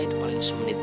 itu paling semenit bu